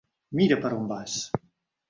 Mira per on vas!